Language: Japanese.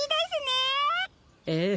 ええ。